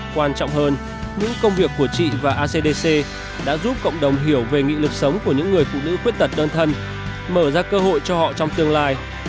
quan trọng hơn những công việc của chị và acdc đã giúp cộng đồng hiểu về nghị lực sống của những người phụ nữ khuyết tật đơn thân mở ra cơ hội cho họ trong tương lai